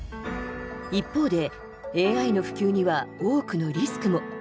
一方で、ＡＩの普及には多くのリスクも。